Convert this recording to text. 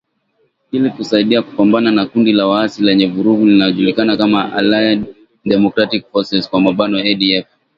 Ili kusaidia kupambana na kundi la waasi lenye vurugu linalojulikana kama Allied Democratic Forces (ADF)